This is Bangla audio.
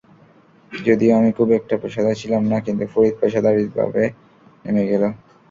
যদিও আমি খুব একটা পেশাদার ছিলাম না, কিন্তু ফরিদ পেশাদারিভাবে নেমে গেল।